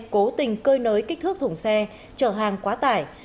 cố tình cơi nới kích thước thùng xe chở hàng quá tải